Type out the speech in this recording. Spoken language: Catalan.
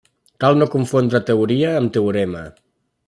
Cal no confondre teoria amb teorema.